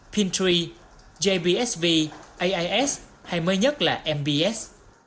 pintree jbsv ais hay mới nhất là mbs